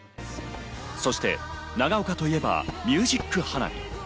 そして長岡といえばミュージック花火。